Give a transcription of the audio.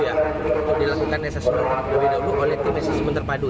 yang dilakukan asesmen lebih dahulu oleh tim asesmen terpadu